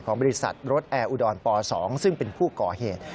บริษัทรถแอร์อุดรป๒ซึ่งเป็นผู้ก่อเหตุ